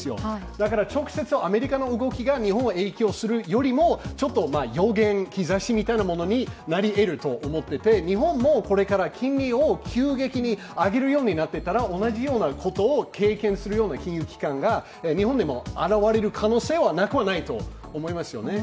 だから直接アメリカの動きが日本に影響するよりは予言、兆しみたいなものになりえると思っていて、日本もこれから金利を急激に上げるようになっていったら同じようなことを経験するような金融機関が日本でも現れる可能性はなくはないと思いますよね。